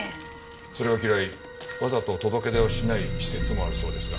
それを嫌いわざと届け出をしない施設もあるそうですが。